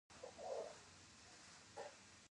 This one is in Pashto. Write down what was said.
افغانستان د وګړي په برخه کې نړیوالو بنسټونو سره کار کوي.